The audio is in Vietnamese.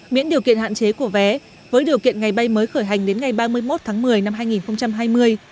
miễn điều kiện hạn chế của vé với điều kiện ngày bay mới khởi hành đến ngày ba mươi một tháng một mươi năm hai nghìn hai mươi